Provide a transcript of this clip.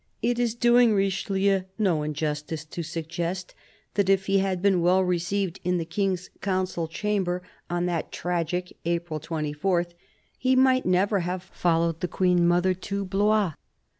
It is doing Richelieu no injustice to suggest that if he had been well received in the King's Council chamber on THE BISHOP OF LUgON 103 that tragic April 24, he might never have follov^^ed the Queen mother to Blois.